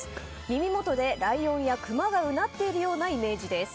耳元でライオンやクマがうなっているようなイメージです。